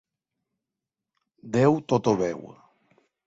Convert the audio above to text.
Déu tot ho veu.